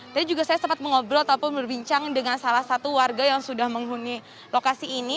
jadi juga saya sempat mengobrol ataupun berbincang dengan salah satu warga yang sudah menghuni lokasi ini